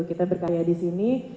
kita berkarya di sini